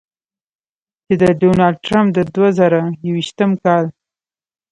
چې د ډونالډ ټرمپ د دوه زره یویشتم کال